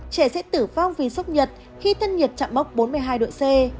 trẻ sẽ tử vong vì sốc nhiệt khi thân nhiệt chạm bóc bốn mươi hai độ c